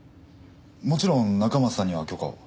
もちろん中松さんには許可を。